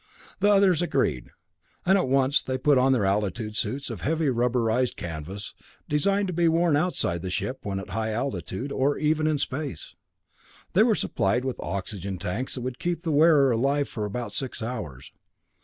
The others agreed, and they at once put on their altitude suits of heavy rubberized canvas, designed to be worn outside the ship when at high altitude, or even in space. They were supplied with oxygen tanks that would keep the wearer alive for about six hours.